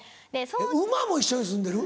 馬も一緒に住んでる？